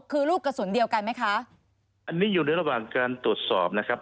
คือลูกกระสุนเดียวกันไหมคะอันนี้อยู่ในระหว่างการตรวจสอบนะครับ